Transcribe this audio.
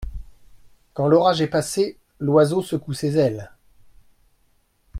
Quand l'orage est passé, l'oiseau secoue ses ailes.